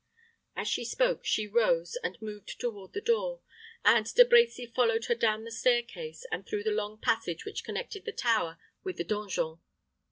As she spoke, she rose and moved toward the door, and De Brecy followed her down the stair case, and through the long passage which connected the tower with the donjon.